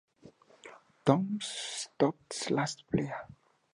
Tom Stoppard’s last play.